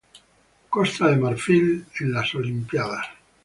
Costa de Marfil en las Olimpíadas